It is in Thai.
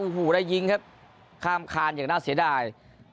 โอ้โหได้ยิงครับข้ามคานอย่างน่าเสียดาย